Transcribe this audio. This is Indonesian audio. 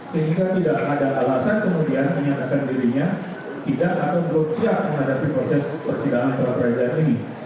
sehingga tidak ada alasan kemudian menyatakan dirinya tidak atau belum siap menghadapi proses persidangan pra peradilan ini